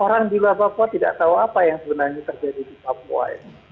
orang di luar papua tidak tahu apa yang sebenarnya terjadi di papua